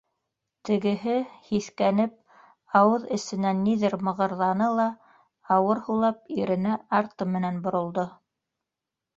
Тегеһе, һиҫкәнеп, ауыҙ эсенән ниҙер мығырҙаны ла, ауыр һулап, иренә арты менән боролдо.